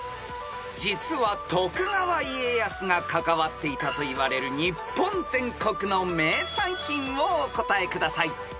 ［実は徳川家康が関わっていたといわれる日本全国の名産品をお答えください］